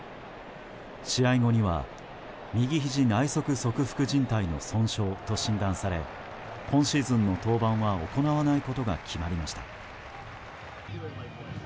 試合後には右ひじ内側側副じん帯の損傷と診断され今シーズンの登板は行わないことが決まりました。